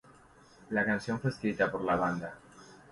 La canción fue escrita por la banda.